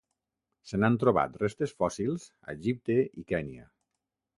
Se n'han trobat restes fòssils a Egipte i Kenya.